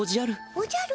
おじゃる？